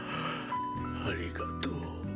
ありがとう。